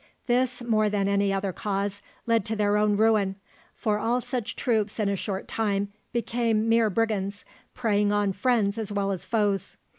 This, more than any other cause, led to their own ruin, for all such troops in a short time became mere brigands, preying on friends as well as foes.